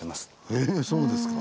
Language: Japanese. えそうですか。